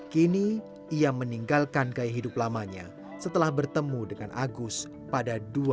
kini ia meninggalkan gaya hidup lamanya setelah bertemu dengan agus pada dua ribu dua